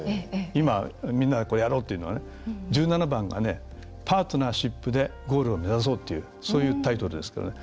今、みんなでやろうっていうのが１７番がパートナーシップでゴールを目指そうというそういうタイトルですけどね